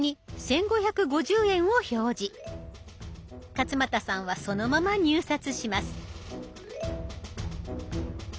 勝俣さんはそのまま入札します。